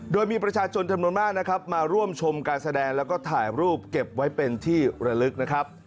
โดยมีประชาชนทรมานมากมาร่วมชมการแสดงและถ่ายรูปเก็บไว้เป็นที่ระลึกนะครับ